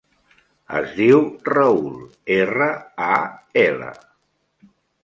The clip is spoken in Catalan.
Es diu Raül: erra, a, ela.